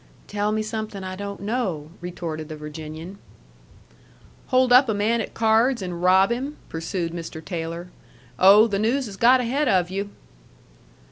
"Tell me something I don't know," retorted the Virginian. "Hold up a man at cards and rob him," pursued Mr. Taylor. "Oh, the news has got ahead of you!"